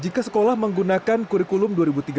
jika sekolah menggunakan kurikulum dua ribu tiga belas